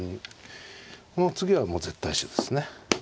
この次はもう絶対手ですね。